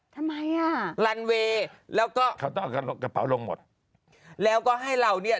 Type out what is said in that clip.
ทำไมอ่ะลันเวย์แล้วก็เขาต้องเอากระเป๋าลงหมดแล้วก็ให้เราเนี่ย